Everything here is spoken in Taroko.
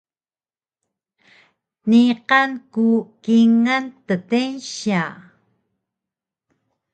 Niqan ku kingal ddeynsya